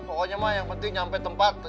pokoknya mah yang penting nyampe tempat